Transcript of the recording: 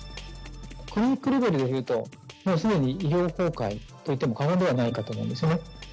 クリニックレベルでいうと、もうすでに医療崩壊といっても過言ではないかと思うんですね。